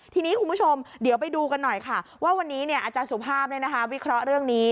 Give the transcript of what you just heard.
ทีนี้คุณผู้ชมเดี๋ยวไปดูกันหน่อยค่ะว่าวันนี้อาจารย์สุภาพวิเคราะห์เรื่องนี้